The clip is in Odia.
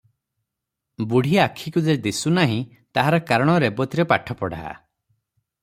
ବୁଢ଼ୀ ଆଖିକୁ ଯେ ଦିଶୁ ନାହିଁ ତାହାର କାରଣ ରେବତୀର ପାଠପଢ଼ା।